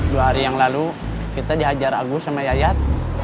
dua hari yang lalu kita dihajar agus sama yayat